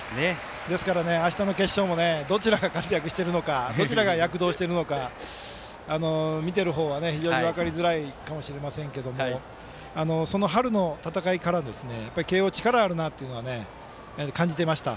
ですから、あしたの決勝もどちらが活躍しているのかどちらが躍動しているのか見ている方は非常に分かりづらいかもしれませんけれどもその春の戦いから慶応、力があるなと感じていました。